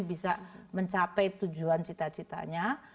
bisa mencapai tujuan cita citanya